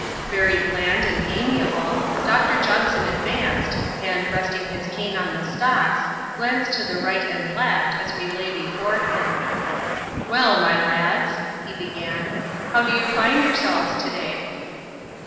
Yery bland and amiable, Doctor Johnson advanced, and, rest ing his cane on the stocks, glanced to right and le% as we lay before him. " Well, my lads," he began, " how do you find yourselves, to day